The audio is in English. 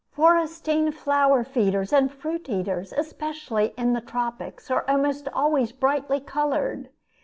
... Forestine flower feeders and fruit eaters, especially in the tropics, are almost always brightly colored.